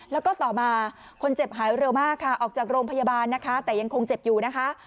แล้วก็ต่อมาคนเจ็บหายเร็วมากค่ะออกจากโรงพยาบาลนะคะแต่ยังคงเจ็บอยู่นะคะ